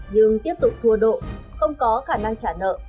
nhưng tiếp tục thua độ không có khả năng trả nợ